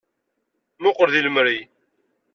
Muqel deg lemri.